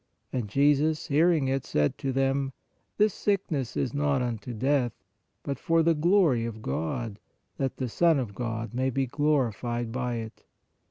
And Jesus, hearing it, said to them: This sickness is not unto death, but for the glory of God, that the Son of God may be glorified by it.